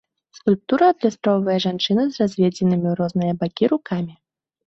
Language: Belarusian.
Скульптура адлюстроўвае жанчыну з разведзенымі ў розныя бакі рукамі.